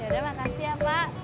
yaudah makasih ya pak